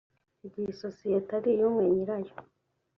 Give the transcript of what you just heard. igihe isosiyete ari iy umuntu umwe nyirayo